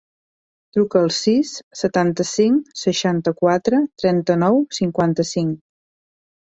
Truca al sis, setanta-cinc, seixanta-quatre, trenta-nou, cinquanta-cinc.